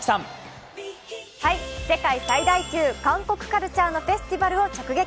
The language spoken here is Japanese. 世界最大級、韓国カルチャーのフェスティバルを直撃。